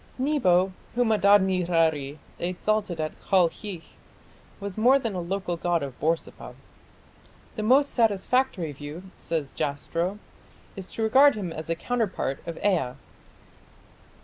Nebo, whom Adad nirari exalted at Kalkhi, was more than a local god of Borsippa. "The most satisfactory view", says Jastrow, "is to regard him as a counterpart of Ea.